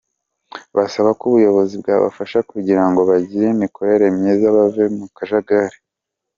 Basaba ko ubuyobozi bwabafasha kugira ngo bagire imikorere myiza bave mu kajagari.